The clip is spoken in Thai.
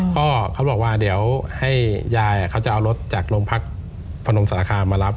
ก็เขาบอกว่าเดี๋ยวให้ยายเขาจะเอารถจากรงพักศรภาพภารมนตรศาสตราคามารับ